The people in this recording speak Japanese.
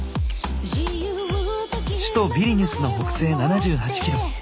首都ヴィリニュスの北西７８キロ。